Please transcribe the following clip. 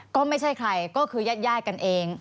ก็ไม่ใช่ใครก็คือญาติกันเอง